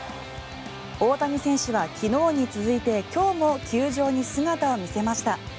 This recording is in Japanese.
大谷選手は昨日に続いて今日も球場に姿を見せました。